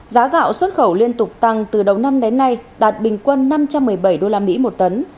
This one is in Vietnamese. giá gạo xuất khẩu liên tục tăng từ đầu năm đến nay đạt bình quân năm trăm một mươi bảy usd một tấn